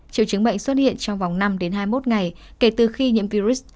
triệu chứng bệnh xuất hiện trong vòng năm đến hai mươi một ngày kể từ khi nhiễm virus